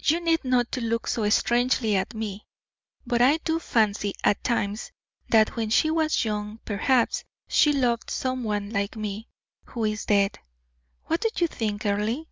"You need not look so strangely at me; but I do fancy at times that when she was young, perhaps she loved some one like me, who is dead. What do you think, Earle?"